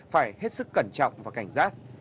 phải hết sức cẩn trọng và cảnh giác